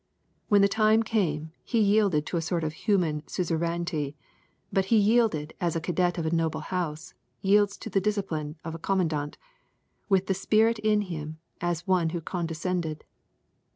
When the time came, he yielded to a sort of human suzerainty, but he yielded as a cadet of a noble house yields to the discipline of a commandant, with the spirit in him and as one who condescended.